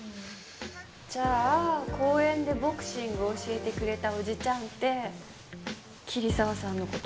じゃあ公園でボクシング教えてくれたおじちゃんって桐沢さんの事。